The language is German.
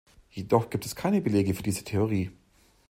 Jedoch gibt es keine Belege für diese Theorie.